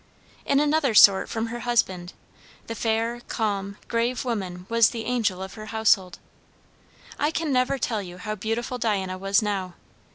In another sort from her husband, the fair, calm, grave woman was the angel of her household. I can never tell you how beautiful Diana was now.